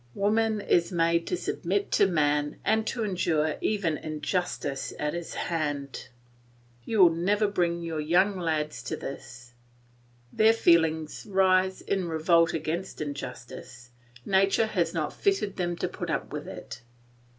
Woman is made to submit to man and to endure even injustice at his hands. You will never bring young lads to this; their feelings rise in revolt against injustice; nature has not fitted them to put up with it.